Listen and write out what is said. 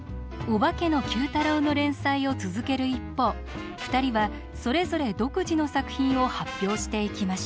「オバケのＱ太郎」の連載を続ける一方２人はそれぞれ独自の作品を発表していきました。